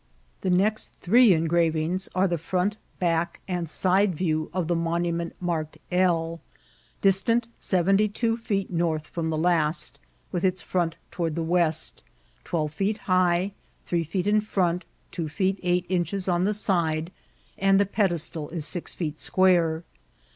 156 IKCIBBIITB or TEATBL. The next three eDgravingB are the front, back| and side view of the monument mu^ed L, distant seventy two feet north from the last, with its front toward the west, twehre feet hig^ three feet in front, two feet eight inches on the side, and the pedestal is six feet square.